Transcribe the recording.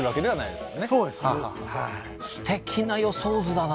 すてきな予想図だな